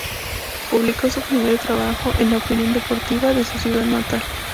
Publicó su primer trabajo en "La Opinión Deportiva" de su ciudad natal.